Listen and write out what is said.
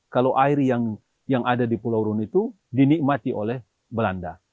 kalau air yang ada di pulau rune itu dinikmati oleh belanda